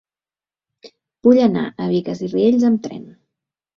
Vull anar a Bigues i Riells amb tren.